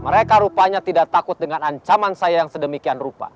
mereka rupanya tidak takut dengan ancaman saya yang sedemikian rupa